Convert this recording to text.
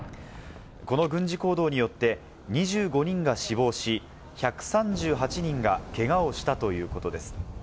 この軍事行動によって２５人が死亡し、１３８人がけがをしたということです。